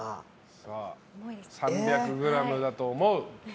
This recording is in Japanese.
さあ、３００ｇだと思う。